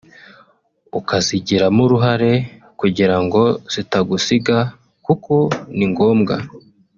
ukazigiramo uruhare kugira ngo zitagusiga kuko ni ngombwa